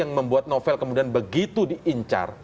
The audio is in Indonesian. yang membuat novel kemudian begitu diincar